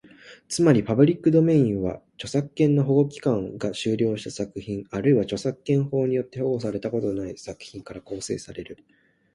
つまり、パブリックドメインは、著作権の保護期間が終了した作品、あるいは著作権法によって保護されたことのない作品から構成される。